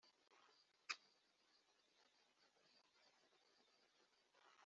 ikiguzi cy inyandiko ziyitangarizwamo